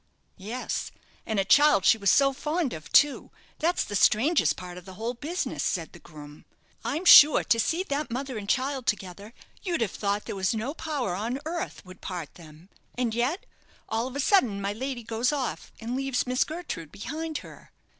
"Yes; and a child she was so fond of too; that's the strangest part of the whole business," said the groom. "I'm sure to see that mother and child together, you'd have thought there was no power on earth would part them; and yet, all of a sudden, my lady goes off, and leaves Miss Gertrude behind her.